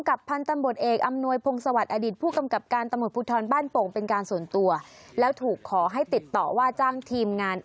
การตะหมดพุทธรบ้านโปกเป็นการส่วนตัวและถูกขอให้ติดต่อว่าจ้างทีมงาน